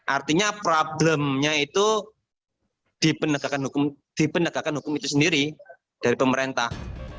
artinya problemnya itu di penegakan hukum itu sendiri dari pemerintah